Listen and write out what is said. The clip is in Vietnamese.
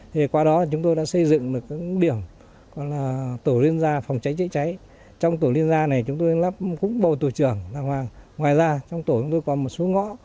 thì qua đó chúng tôi đã xây dựng được các điểm gọi là tổ liên gia phòng cháy chữa cháy trong tổ liên gia này chúng tôi lắp cũng bầu tổ trưởng ngoài ra trong tổ chúng tôi còn một số ngõ